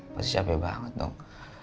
pasti capek banget dong